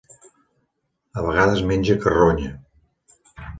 A vegades menja carronya.